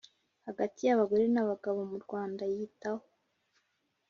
hagati y abagore n abagabo mu Rwanda yitaho